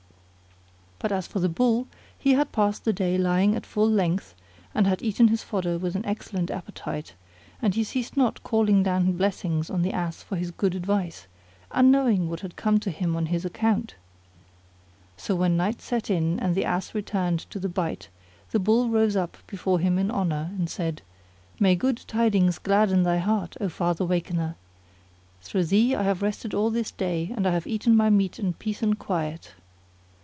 But as for the Bull, he had passed the day lying at full length and had eaten his fodder with an excellent appetite, and he ceased not calling down blessings on the Ass for his good advice, unknowing what had come to him on his account. So when night set in and the Ass returned to the byre the Bull rose up before him in honour, and said, "May good tidings gladden thy heart, O Father Wakener! through thee I have rested all this day and I have eaten my meat in peace and quiet."